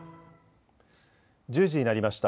１０時になりました。